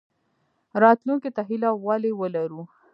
راتلونکي ته هیله ولې ولرو؟